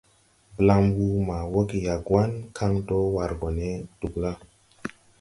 Blam wuu ma woge Yagoan kan do war gɔ ne Dugla.